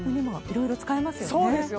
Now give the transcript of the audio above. いろいろ使えますよね。